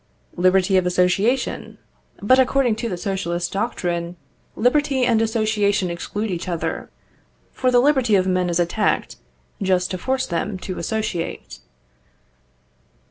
Liberty of association? But, according to the socialist doctrine, liberty and association exclude each other, for the liberty of men is attacked just to force them to associate.